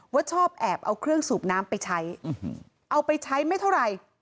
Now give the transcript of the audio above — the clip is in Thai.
ว่าชอบแอบเอาเครื่องสูบน้ำไปใช้เอาไปใช้ไม่เท่าไหร่